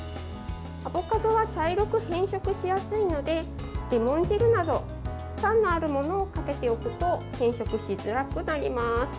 アボカドは茶色く変色しやすいのでレモン汁など酸のあるものをかけておくと変色しづらくなります。